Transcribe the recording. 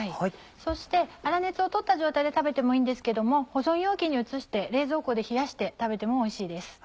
そして粗熱を取った状態で食べてもいいんですけども保存容器に移して冷蔵庫で冷やして食べてもおいしいです。